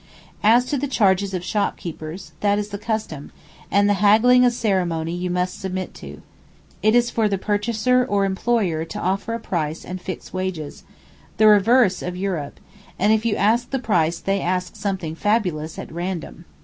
As to the charges of shopkeepers, that is the custom, and the haggling a ceremony you must submit to. It is for the purchaser or employer to offer a price and fix wages—the reverse of Europe—and if you ask the price they ask something fabulous at random.